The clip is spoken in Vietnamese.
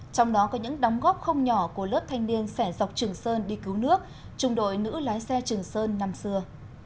trong đó có những đóng góp không nhỏ của lớp thanh niên xẻ dọc trường sơn đi cứu nước trung đội nữ lái xe trường sơn năm xưa